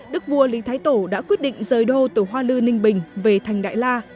đức vua lý thái tổ đã quyết định rời đô tổ hoa lư ninh bình về thành đại la